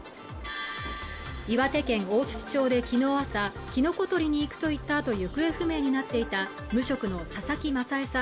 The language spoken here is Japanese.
岩手県大槌町できのう朝キノコ採りに行くと言ったあと行方不明になっていた無職の佐々木マサヱさん